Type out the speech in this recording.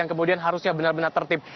yang kemudian harusnya benar benar tertib